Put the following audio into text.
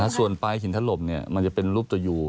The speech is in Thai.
ส่วนไปหินทะลบมันจะเป็นรูปตัวยู